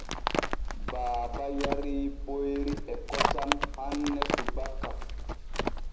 Baaba yarii boyri e kosom hanne subaka.